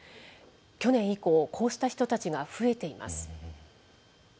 去年以降、こうした人たちが増えています。